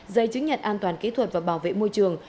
giấy chứng nhận an toàn kỹ thuật và bảo vệ môi trường